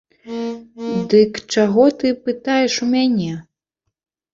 Дык чаго ты пытаеш у мяне?